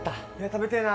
食べてえな。